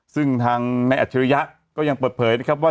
ซึ่งทางนายอัจฉริยะก็ยังเปิดเผยนะครับว่า